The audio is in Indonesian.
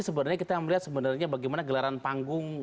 sebenarnya kita melihat sebenarnya bagaimana gelaran panggung